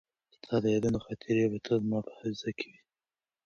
ستا د یادونو خاطرې به تل زما په حافظه کې وي.